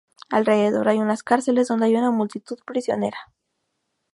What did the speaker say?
Alrededor hay unas cárceles donde hay una multitud prisionera.